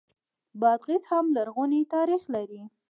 بادغیس هم لرغونی تاریخ لري